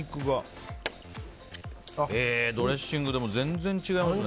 ドレッシングでも全然違いますね。